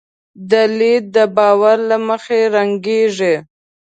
دا لید د باور له مخې رنګېږي.